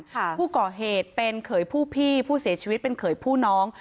ผู้ก่อเหตุเป็นเขยผู้พี่ผู้เสียชีวิตเป็นเขยผู้น้อง